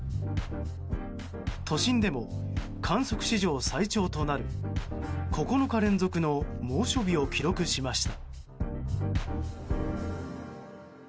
都心でも観測史上最長となる９日連続の猛暑日を記録しました。